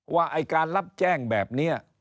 ไอ้การรับแจ้งแบบนี้